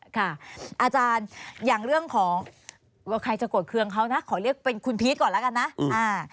อาจารย์อย่างเรื่องของว่าใครจะโกรธเครื่องเขานะขอเรียกเป็นคุณพีชก่อนแล้วกันนะ